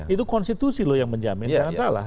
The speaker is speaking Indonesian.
itu konstitusi loh yang menjamin jangan salah